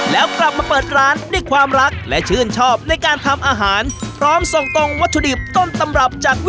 แล้วกลับมาเปิดร้านด้วยความรักและชื่นชอบในการทำอาหาร